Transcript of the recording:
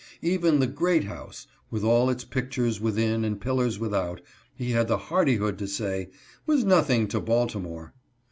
Even the " great house," with all its pictures within and pillars without, he had the hardihood to say, " was nothing to Baltimore."